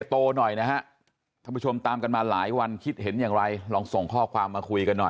โตหน่อยนะฮะท่านผู้ชมตามกันมาหลายวันคิดเห็นอย่างไรลองส่งข้อความมาคุยกันหน่อย